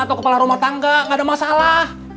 atau kepala rumah tangga nggak ada masalah